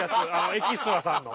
エキストラさんの。